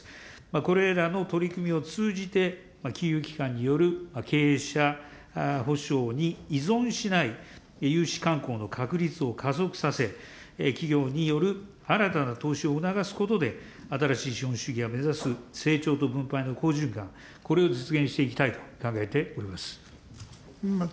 これらの取り組みを通じて、金融機関による経営者保証に依存しない融資慣行の確立を加速させ、企業による新たな投資を促すことで、新しい資本主義が目指す成長と分配の好循環、これを実現していきたいと考えております。